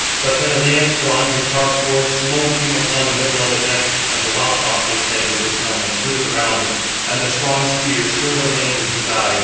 But Peneleus, drawing his sharp sword, smote him upon the middle of the neck, and lopped off his head with its helmet to the ground, and the strong spear still remained in his eye.